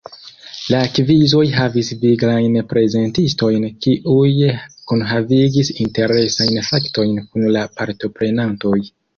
La kvizoj havis viglajn prezentistojn kiuj kunhavigis interesajn faktojn kun la partoprenantoj.